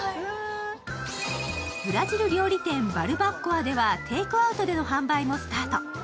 ブラジル料理店バルバッコアではテイクアウトでの販売もスタート。